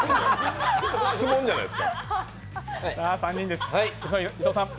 質問じゃないですか。